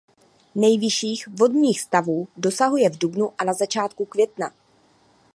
Nejvyšších vodních stavů dosahuje v dubnu a na začátku května.